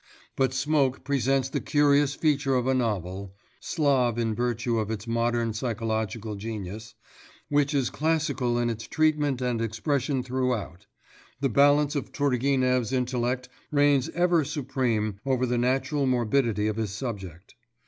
But Smoke presents the curious feature of a novel (Slav in virtue of its modern psychological genius) which is classical in its treatment and expression throughout: the balance of Turgenev's intellect reigns ever supreme over the natural morbidity of his subject.